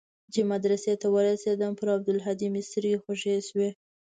چې مدرسې ته ورسېدم پر عبدالهادي مې سترګې خوږې سوې.